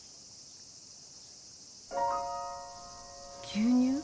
牛乳？